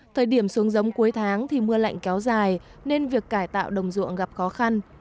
thời điểm xuống giống cuối tháng thì mưa lạnh kéo dài nên việc cải tạo đồng ruộng gặp khó khăn